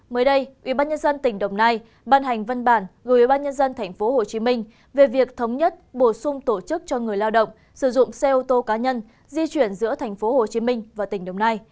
mới đây ubnd tp hcm bàn hành văn bản gửi ubnd tp hcm về việc thống nhất bổ sung tổ chức cho người lao động sử dụng xe ô tô cá nhân di chuyển giữa tp hcm và tp hcm